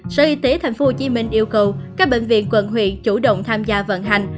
sở y tế tp hcm yêu cầu các bệnh viện quận huyện chủ động tham gia vận hành